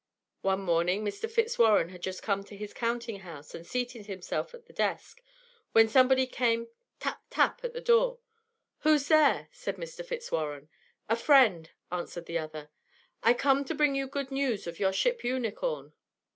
One morning Mr. Fitzwarren had just come to his counting house and seated himself at the desk, when somebody came tap, tap, at the door. "Who's there?" said Mr. Fitzwarren. "A friend," answered the other; "I come to bring you good news of your ship Unicorn."